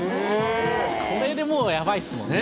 これでもうやばいっすもんね。